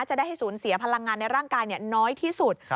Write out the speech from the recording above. จะได้ให้สูญเสียพลังงานในร่างกายน้อยที่สุด